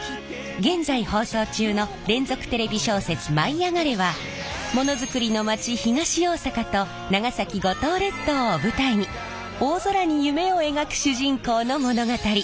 現在放送中の連続テレビ小説「舞いあがれ！」はものづくりの町東大阪と長崎五島列島を舞台に大空に夢を描く主人公の物語！